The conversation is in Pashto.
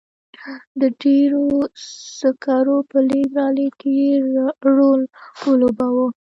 د ډبرو سکرو په لېږد رالېږد کې یې رول ولوباوه.